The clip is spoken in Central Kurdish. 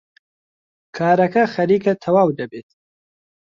کارەکە خەریکە تەواو دەبێت.